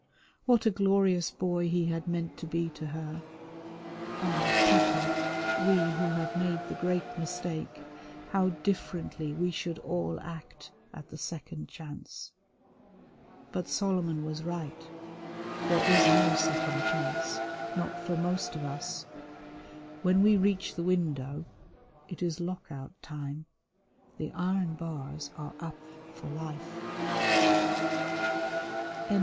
What a glorious boy he had meant to be to her. Ah, Peter, we who have made the great mistake, how differently we should all act at the second chance. But Solomon was right; there is no second chance, not for most of us. When we reach the window it is Lock out Time. The iron bars are up for life. XVII.